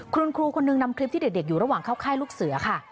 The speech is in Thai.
คุณครูคนนึงนำคลิปที่เด็กอยู่ระหว่างเข้าค่ายลูกเสือค่ะ